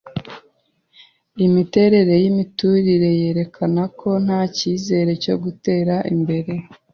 Imiterere yimiturire yerekana ko nta cyizere cyo gutera imbere